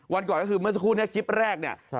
วันก่อนก็คือเมื่อสักครู่เนี่ยคลิปแรกเนี่ย